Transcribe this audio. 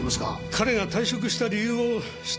彼が退職した理由を知っとるのかね？